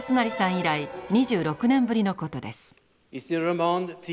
以来２６年ぶりのことです。